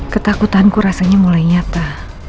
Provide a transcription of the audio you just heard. ketakutanku rasanya mulai nyata